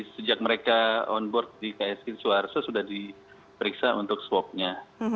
sejak mereka on board di ksk suharto sudah diperiksa untuk swabnya